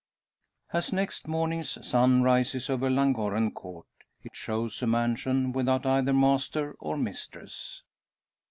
As next morning's sun rises over Llangorren Court, it shows a mansion without either master or mistress!